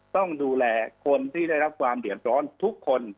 ต้องดูแลคนที่ได้รับความเดือดร้อนทุกคน